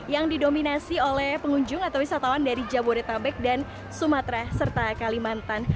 yang didominasi oleh pengunjung atau wisatawan dari jabodetabek dan sumatera serta kalimantan